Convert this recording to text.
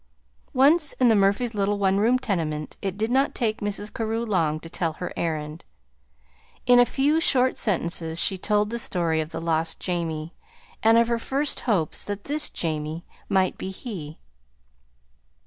Once in the Murphys' little one room tenement, it did not take Mrs. Carew long to tell her errand. In a few short sentences she told the story of the lost Jamie, and of her first hopes that this Jamie might be he.